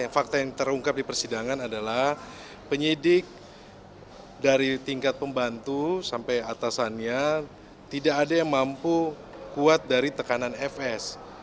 fakta yang terungkap di persidangan adalah penyidik dari tingkat pembantu sampai atasannya tidak ada yang mampu kuat dari tekanan fs